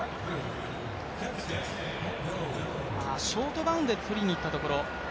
ショートバウンドでとりにいったところ。